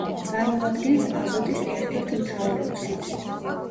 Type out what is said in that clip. წარმოადგენს აზოტის ერთ-ერთ მთავარ ოქსიდს.